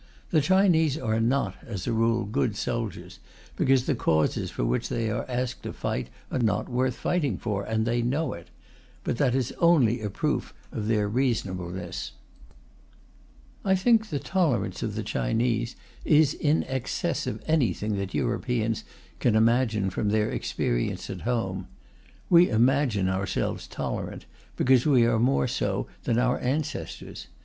The Chinese are not, as a rule, good soldiers, because the causes for which they are asked to fight are not worth fighting for, and they know it. But that is only a proof of their reasonableness. I think the tolerance of the Chinese is in excess of anything that Europeans can imagine from their experience at home. We imagine ourselves tolerant, because we are more so than our ancestors.